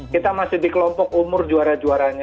kita masih di kelompok umur juara juaranya